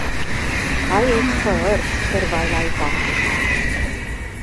Hy het gehurk terwyl hy wag.